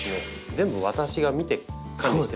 全部私が見て管理してます。